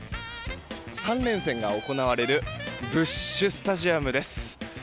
３連戦が行われるブッシュ・スタジアムです。